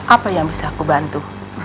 apa yang bisa aku bantu